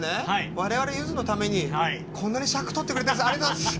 我々ゆずのためにこんなに尺を取ってくれてありがとうございます！